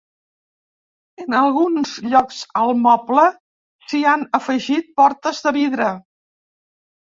En alguns llocs al moble s'hi han afegit portes de vidre.